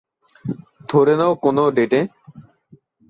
ধরে নাও, কোনো ডেটে?